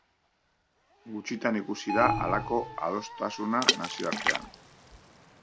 Gutxitan ikusi da halako adostasuna nazioartean.